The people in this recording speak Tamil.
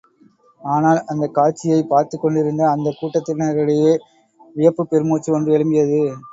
ஆனால், அந்தக் காட்சியைப் பார்த்துக்கொண்டிருந்த அந்தக் கூட்டத்தினரிடையே வியப்புப் பெருமூச்சு ஒன்று எழும்பியது.